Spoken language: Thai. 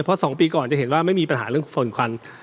เพราะ๒ปีก่อนจะเห็นว่าไม่มีปัญหาเรื่องฝุ่นควัน